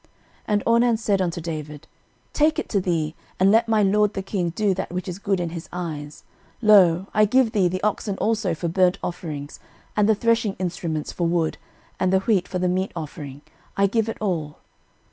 13:021:023 And Ornan said unto David, Take it to thee, and let my lord the king do that which is good in his eyes: lo, I give thee the oxen also for burnt offerings, and the threshing instruments for wood, and the wheat for the meat offering; I give it all.